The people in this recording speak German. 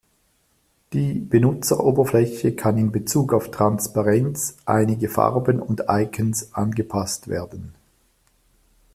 Die Benutzeroberfläche kann in Bezug auf Transparenz, einige Farben und Icons angepasst werden.